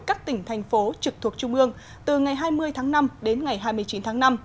các tỉnh thành phố trực thuộc trung ương từ ngày hai mươi tháng năm đến ngày hai mươi chín tháng năm